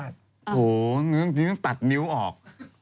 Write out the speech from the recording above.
ถู๊ต้องตัดนิ้วออก